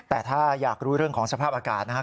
แต่ถ้าอยากรู้เรื่องของสภาพอากาศนะครับ